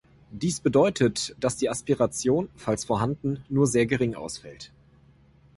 Dies bedeutet, dass die Aspiration, falls vorhanden, nur sehr gering ausfällt.